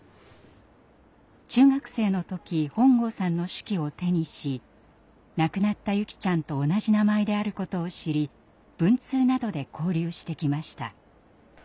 中学生の時本郷さんの手記を手にし亡くなった優希ちゃんと同じ名前であることを知り文通などで交流してきました。